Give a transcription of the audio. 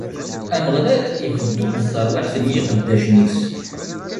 Ameɣlal ifeddu-d tarwiḥt n yiqeddacen-is.